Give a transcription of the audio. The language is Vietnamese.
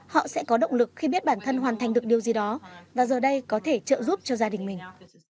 họ sẽ có động lực khi biết bản thân hoàn thành được điều gì đó và giờ đây có thể trợ giúp cho gia đình mình